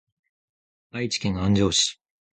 愛知県安城市